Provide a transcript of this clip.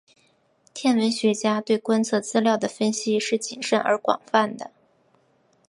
天文学家对观测资料的分析是谨慎而广泛的。